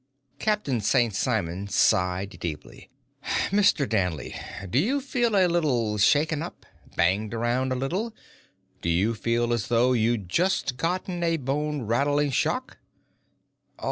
Captain St. Simon sighed deeply. "Mr. Danley, do you feel a little shaken up? Banged around a little? Do you feel as though you'd just gotten a bone rattling shock?"